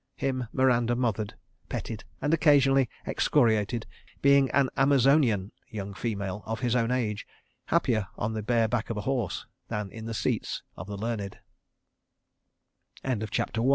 Him Miranda mothered, petted, and occasionally excoriated, being an Amazonian young female of his own age, happier on the bare back of a horse than in the seats of